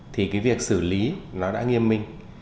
thì việc xử lý đã nghiêm minh